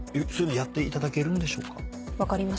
やっていただけるんでしょうか？